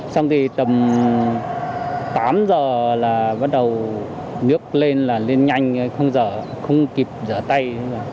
xong thì tầm tám giờ là bắt đầu nước lên là lên nhanh không kịp giỡn tay